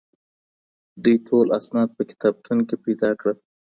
دوی ټول اسناد په کتابتون کي پیدا کړل.